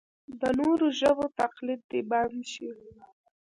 د نورو ژبو تقلید دې بند شي.